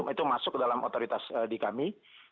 itu masuk dalam otoritas di kami